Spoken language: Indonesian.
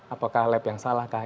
apakah lab yang salah kah